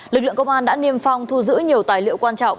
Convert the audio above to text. lực lượng công an đã niêm phong thu giữ nhiều tài liệu quan trọng